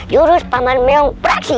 jurus paman meong praksi